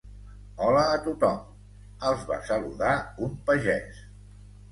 Hola a tothom —els va saludar un pagès—.